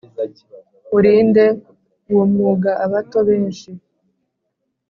urinde uwo mwuga abato benshi